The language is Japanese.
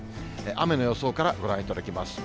雨の予想からご覧いただきます。